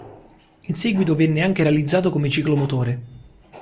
In seguito venne anche realizzato come ciclomotore.